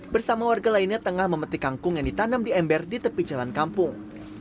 bersama warga lainnya tengah memetik kangkung yang ditanam di ember di tepi jalan kampung